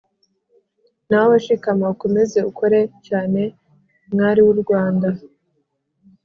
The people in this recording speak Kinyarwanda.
nawe shikama ukomeze ukore cyane mwari w’u rwanda !